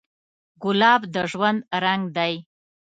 ګلاب د ژوند رنګ دی.